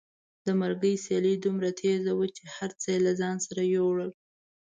د مرګي سیلۍ دومره تېزه وه چې هر څه یې له ځان سره یوړل.